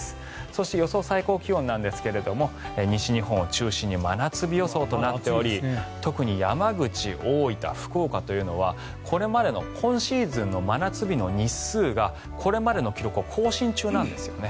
そして予想最高気温なんですが西日本を中心に真夏日予想となっており特に山口、大分、福岡というのはこれまでの今シーズンの真夏日の日数がこれまでの記録を更新中なんですよね。